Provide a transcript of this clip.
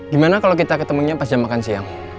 gimana kalau kita ketemunya pas jam makan siang